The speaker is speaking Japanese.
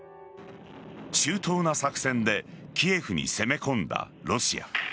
周到な作戦でキエフに攻め込んだロシア。